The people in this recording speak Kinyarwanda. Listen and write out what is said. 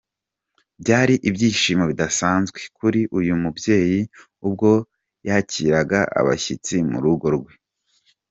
Byari ibyishimo bidasanzwe kuri uyu mubyeyi ubwo yakiraga abashyitsi murugo rwe.